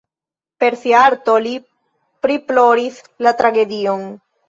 Per sia arto li priploris la tragedion.